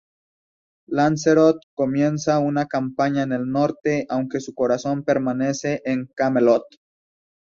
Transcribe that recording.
Lanzarote comienza una campaña en el norte, aunque su corazón permanece en Camelot.